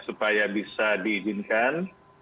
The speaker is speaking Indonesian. supaya bisa diizinkan